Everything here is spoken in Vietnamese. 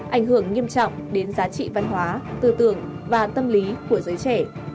ảnh hưởng nghiêm trọng đến giá trị văn hóa tư tưởng và tâm lý của giới trẻ